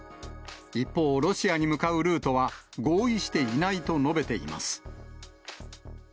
一方、ロシアに向かうルートは合意していないと述べています。